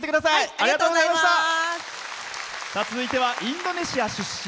続いてはインドネシア出身。